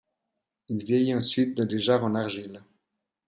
Il vieillit ensuite dans des jarres en argile.